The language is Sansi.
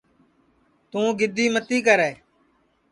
توں گیدی متی کرے